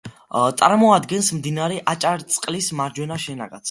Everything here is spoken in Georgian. წარმოადგენს მდინარე აჭარისწყლის მარჯვენა შენაკადს.